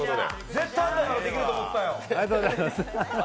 絶対あんたならできると思ったよ！